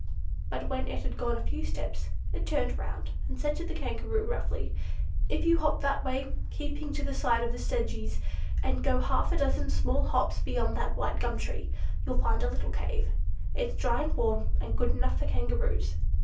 But when it had gone a few steps it turned round and said to the Kangaroo, roughly, "If you hop that way, keeping to the side of the sedges, and go half a dozen small hops beyond that white gum tree, you'll find a little cave. It's dry and warm, and good enough for Kangaroos."